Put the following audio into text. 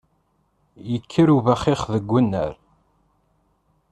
Yekker ubaxix deg unnar!